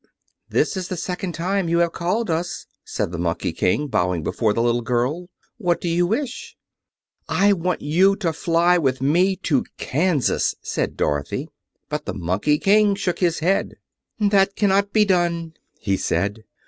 "This is the second time you have called us," said the Monkey King, bowing before the little girl. "What do you wish?" "I want you to fly with me to Kansas," said Dorothy. But the Monkey King shook his head. "That cannot be done," he said.